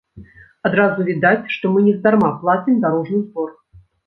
Адразу відаць, што мы нездарма плацім дарожны збор!